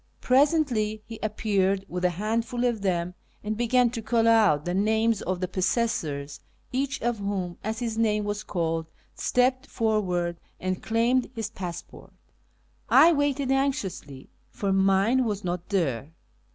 Presently he ap peared with a handful of them and began to call out the names of the possessors, each of whom, as his name was called, stepped forward and claimed his passport. I waited anxiously, for mine was not there.